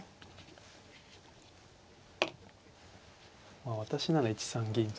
まあ私なら１三銀と。